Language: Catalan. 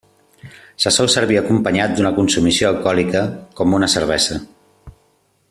Se sol servir acompanyat d'una consumició alcohòlica, com una cervesa.